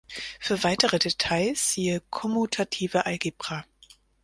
Für weitere Details siehe Kommutative Algebra.